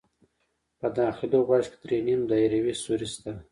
په داخلي غوږ کې درې نیم دایروي سوري شته.